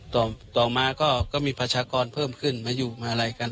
ต่อมาก็มีประชากรเพิ่มขึ้นมาอยู่มาลัยกัน